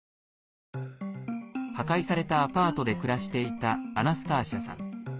破壊されたアパートで暮らしていたアナスターシャさん。